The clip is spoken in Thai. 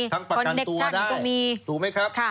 ทั้งแปรคเนคชั่นก็มีถุงไม่ครับ